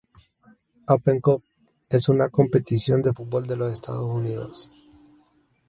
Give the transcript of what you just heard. Open Cup es una competición de fútbol de los Estados Unidos.